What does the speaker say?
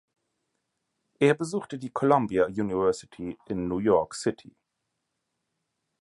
Er besuchte die Columbia University in New York City.